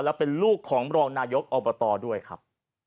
และเป็นลูกของรองนายกอบตด้วยครับ